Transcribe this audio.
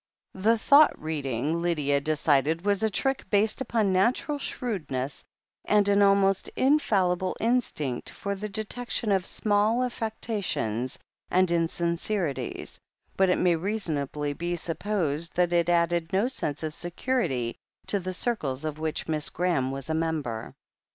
The "thought reading," Lydia decided, was a trick, based upon natural shrewdness and an almost infallible instinct for the detection of small affectations and in sincerities, but it may reasonably be supposed that it added no sense of security to the circles of which Miss Graham was a member.